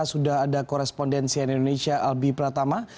sudah ada korespondensi dari indonesia albi pratama